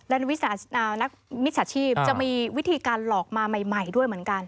และนักมิจฉาชีพจะมีวิธีการหลอกมาใหม่ด้วยเหมือนกัน